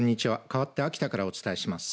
かわって秋田からお伝えします。